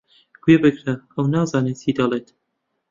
گوێبگرە، ئەو نازانێت چی دەڵێت.